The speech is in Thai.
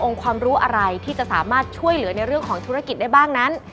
ความรู้อะไรที่จะสามารถช่วยเหลือในเรื่องของธุรกิจได้บ้างนั้น